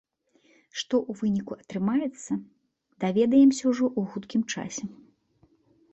Што ў выніку атрымаецца, даведаемся ўжо ў хуткім часе.